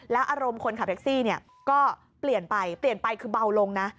อารมณ์คนขับแท็กซี่ก็เปลี่ยนไปเปลี่ยนไปคือเบาลงนะ